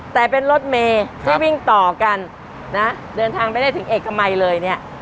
แต่เป็นรถเมย์ที่วิ่งต่อกันนะเดินทางไม่ได้ถึงเอกมัยเลยเนี่ย